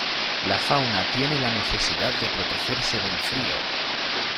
La fauna tiene la necesidad de protegerse del frío.